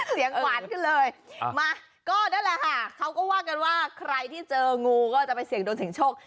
เสียงหวานขึ้นเลยมาก็นั่นแหละค่ะเขาก็ว่ากันว่าใครที่เจองูก็จะไปเสี่ยงโดนเสียงโชค